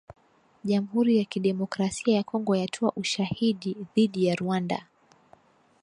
Jamhuri ya Kidemokrasia ya Kongo yatoa ‘ushahidi’ dhidi ya Rwanda.